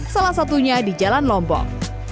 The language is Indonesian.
salah satunya di jalan lombok